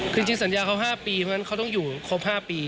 คือจริงสัญญาเขา๕ปีเพราะฉะนั้นเขาต้องอยู่ครบ๕ปี